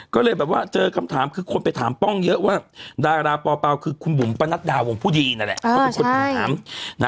ก็เลยแบบว่าเจอคำถามคือคนไปถามปาล์งเยอะว่าดาราป่าป๊าวคือคุณบุหรบุมปะนัดดาวงพุทธีนั่นแหละ